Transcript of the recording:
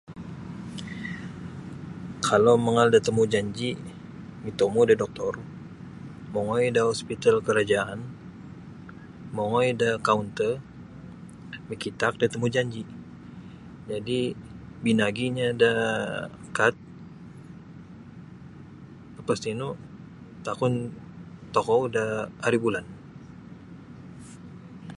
Kalau mangaal da tamujanji mitomu da doktor mongoi da hospital kerajaan mongoi da kaunter mikitaak da tamujanji jadi binaginya da kad lapas tino takun tokou da aribulan .